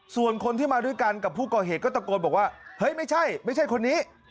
ส่วนคนที่มาด้วยกันกับผู้ก่อเหตุก็ตะโกนบอกว่าเฮ้ยไม่ใช่ไม่ใช่คนนี้